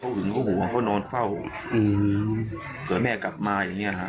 เขาหึงเขาหู่อ่ะเขานอนเฝ้าเผื่อแม่กลับมาอย่างเงี้ยฮะ